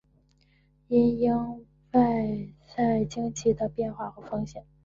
因应外在经济的变化和风险